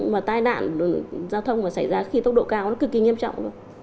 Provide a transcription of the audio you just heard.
mà tai nạn giao thông mà xảy ra khi tốc độ cao nó cực kỳ nghiêm trọng luôn